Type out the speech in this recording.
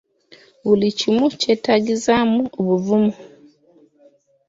Buli kimu kyetaagisaamu obuvumu.